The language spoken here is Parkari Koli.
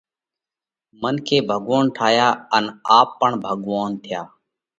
منکي ڀڳوونَ ٺايا ان آپ پڻ ڀڳوونَ ٿيا۔